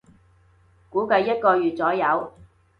估計一個月左右